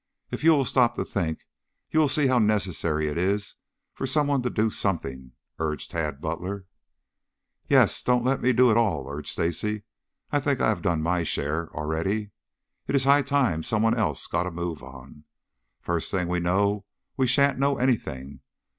"If you will stop to think you will see how necessary it is for some one to do something," urged Tad Butler. "Yes; don't let me do it all," urged Stacy. "I think I have done my share already. It is high time some one else got a move on. First thing we know we shan't know anything.